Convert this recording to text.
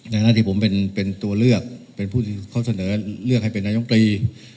หน้าที่ผมเป็นตัวเลือกเป็นผู้ที่เขาเสนอเลือกให้เป็นนายมตรี